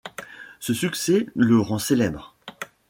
Ce succès le rend célèbre.